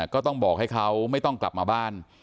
ก็ต้องบอกให้เขาไม่ต้องกลับมาบ้าน